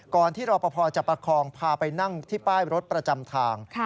ที่รอปภจะประคองพาไปนั่งที่ป้ายรถประจำทาง